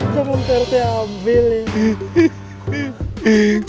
cuman pak rt ambil ini